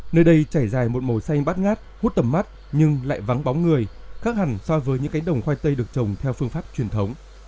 nơi đây trải dài một màu xanh bát ngát hút tầm mắt nhưng lại vắng bóng người khác hẳn so với những cánh đồng khoai tây được trồng theo phương pháp truyền thống